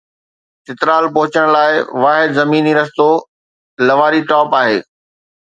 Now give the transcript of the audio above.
چترال پهچڻ لاءِ واحد زميني رستو لواري ٽاپ آهي.